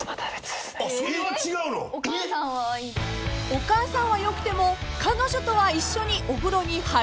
［お母さんはよくても彼女とは一緒にお風呂に入れないという樹さん］